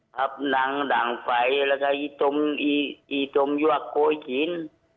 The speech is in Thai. ครับนั่งดั่งไฟแล้วก็อีจมอีจมยวกโกยขี้น